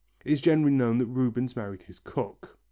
(It is generally known that Rubens married his cook.)